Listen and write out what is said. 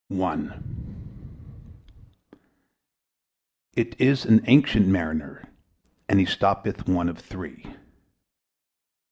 It is an ancient Mariner, And he stoppeth one of three.